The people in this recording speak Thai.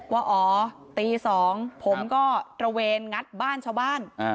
ว่าอ๋อตี๒ผมก็ตระเวนงัดบ้านชาวบ้าน